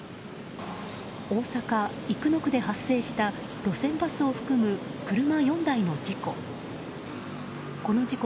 大阪・生野区で発生した路線バスを含む車４台の事故。